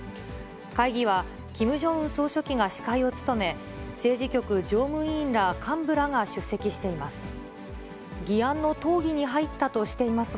会議はキム・ジョンウン総書記が司会を務め、政治局常務委員ら幹部らが出席しています。